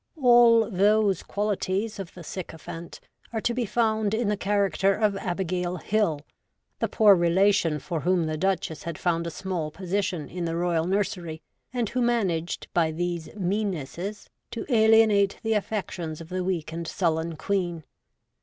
All those qualities of the syco phant are to be found in the character of Abigail Hill, the poor relation for whom the Duchess had found a small position in the royal nursery, and who managed by these meannesses to alienate the affections of the weak and sullen Queen.